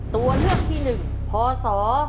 ตัวเลือกที่๑พศ๒๕